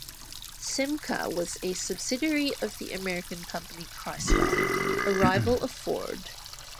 Simca was a subsidiary of the American company Chrysler, a rival of Ford.